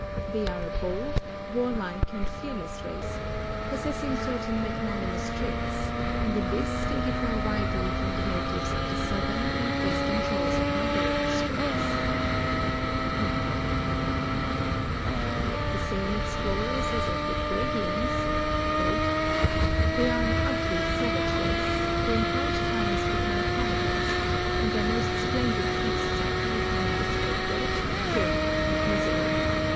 They are a bold, warlike, and fearless race; jiossessing certain magnanimous traits, and in this they difler widely from the natives of the soutlu>ru and western shores of Magellan straits." The same explorer saj^s of tlie Fuegians: "They are an uglv. savage race, who in hard times become cannibals, and their most si^lendid feasts are characterized liy dirt, filth, and misery.